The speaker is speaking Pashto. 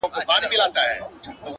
چي تل نوي کفن کښ یو زورولي٫